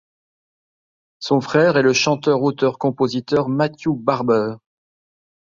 Son frère est le chanteur-auteur-compositeur Matthew Barber.